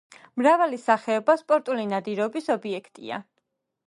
მრავალი სახეობა სპორტული ნადირობის ობიექტია.